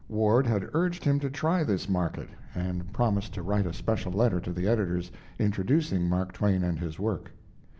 Ward had urged him to try this market, and promised to write a special letter to the editors, introducing Mark Twain and his work.